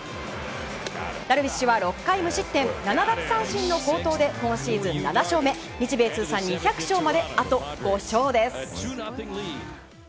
ダルビッシュは６回無失点７奪三振の好投で今シーズン７勝目日米通算２００勝目まであと５勝です。